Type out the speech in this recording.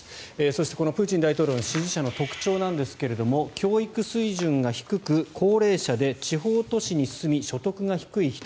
そして、プーチン大統領の支持者の特徴なんですが教育水準が低く、高齢者で地方都市に住み所得が低い人。